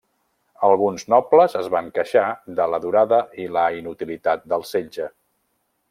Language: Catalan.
Alguns nobles es van queixar de la durada i la inutilitat del setge.